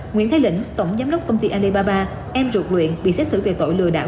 nguyễn thái lĩnh tổng giám đốc công ty alibaba em ruột luyện bị xét xử về tội lừa đảo